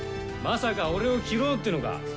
まさか俺を斬ろうっていうのか？